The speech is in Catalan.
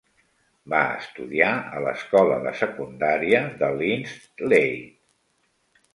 Va estudiar a l'escola de secundària de Linslade.